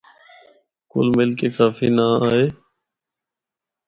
کل مل کے کافی ناں آئے۔